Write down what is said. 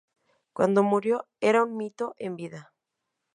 Cuando murió era un mito en vida.